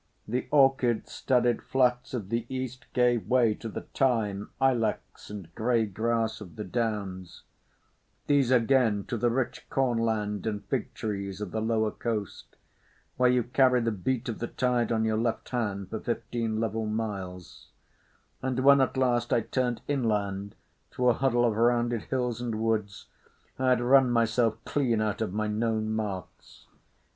The orchid studded flats of the East gave way to the thyme, ilex, and grey grass of the Downs; these again to the rich cornland and fig trees of the lower coast, where you carry the beat of the tide on your left hand for fifteen level miles; and when at last I turned inland through a huddle of rounded hills and woods I had run myself clean out of my known marks.